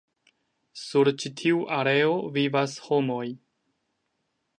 Sur ĉi tiu areo vivas homoj.